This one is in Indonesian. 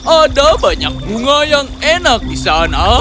ada banyak bunga yang enak di sana